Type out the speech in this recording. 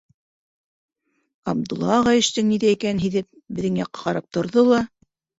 Абдулла ағай эштең ниҙә икәнен һиҙеп, беҙҙең яҡҡа ҡарап торҙо ла: